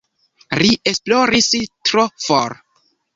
Ri esploris tro for.